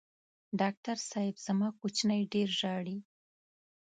ډاکټر صېب زما کوچینی ډېر ژاړي